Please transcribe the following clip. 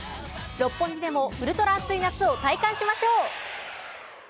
六本木でも、ウルトラ熱い夏を体感しましょう！